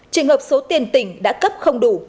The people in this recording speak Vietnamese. trường hợp số tiền tỉnh đã cấp không đủ